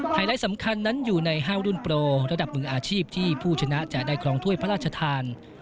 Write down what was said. ไลท์สำคัญนั้นอยู่ในห้าวรุ่นโปรระดับมืออาชีพที่ผู้ชนะจะได้ครองถ้วยพระราชทาน